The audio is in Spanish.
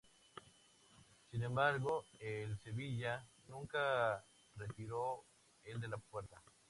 Sin embargo el Sevilla nunca retiró el de Puerta.